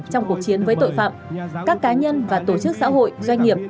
trong cuộc chiến với tội phạm các cá nhân và tổ chức xã hội doanh nghiệp